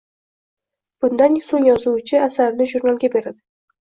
Bundan soʻng yozuvchi asarini jurnalga beradi